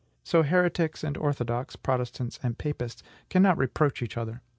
So heretics and orthodox Protestants and Papists cannot reproach each other.